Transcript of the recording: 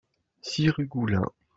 six rue Goulin